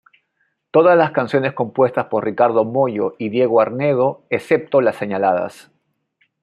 Todas las canciones compuestas por Ricardo Mollo y Diego Arnedo, excepto las señaladas.